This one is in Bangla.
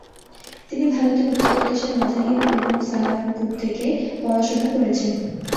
তিনি ভারতের উত্তর প্রদেশের মাজাহির উলূম সাহারানপুর থেকে পড়াশোনা করেছেন।